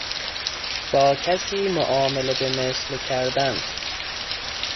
با کسی معامله به مثل کردن